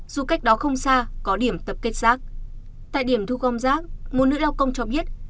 dù cách đó không xa có điểm tập kết rác tại điểm thu gom rác một nữ lao công cho biết